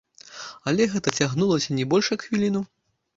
Але гэта цягнулася не больш як хвіліну.